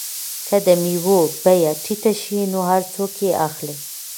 که د مېوو بیه ټیټه شي نو هر څوک یې اخلي.